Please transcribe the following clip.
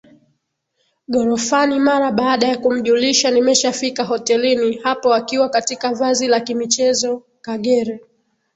ghorofani mara baada ya kumjulisha nimeshafika hotelini hapo Akiwa katika vazi la kiimichezo Kagere